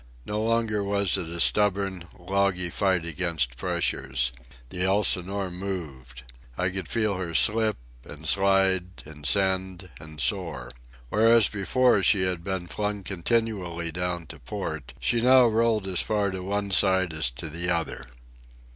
No longer was it a stubborn, loggy fight against pressures. The Elsinore moved. I could feel her slip, and slide, and send, and soar. Whereas before she had been flung continually down to port, she now rolled as far to one side as to the other.